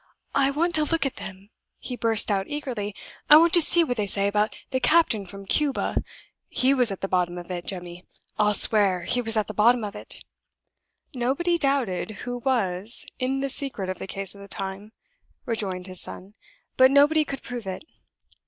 "I want to look at them," he burst out, eagerly. "I want to see what they say about the captain from Cuba. He was at the bottom of it, Jemmy I'll swear he was at the bottom of it!" "Nobody doubted that who was in the secret of the case at the time," rejoined his son. "But nobody could prove it.